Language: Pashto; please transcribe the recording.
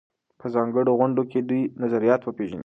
په ځانګړو غونډو کې د دوی نظریات وپېژنئ.